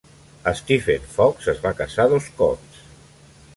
Stephen Fox es va casar dos cops.